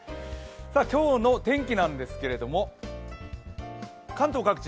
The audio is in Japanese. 今日の天気なんですけど、関東各地